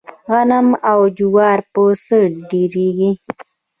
غنم او جوار په څۀ ډېريږي؟